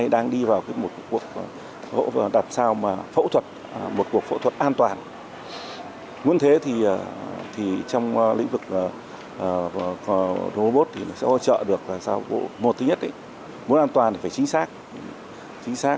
đối với samsung electronics